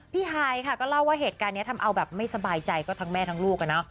ฮายค่ะก็เล่าว่าเหตุการณ์นี้ทำเอาแบบไม่สบายใจก็ทั้งแม่ทั้งลูก